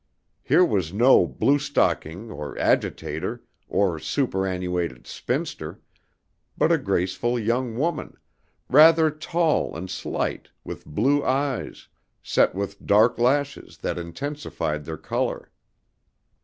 Here was no blue stocking, or agitator, or superannuated spinster, but a graceful young woman, rather tall and slight, with blue eyes, set with dark lashes that intensified their color.